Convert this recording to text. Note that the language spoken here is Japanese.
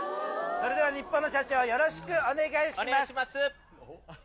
それでは、ニッポンの社長、お願いします。